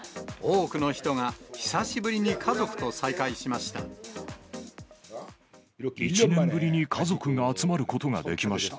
多くの人が久しぶりに家族と再会しました。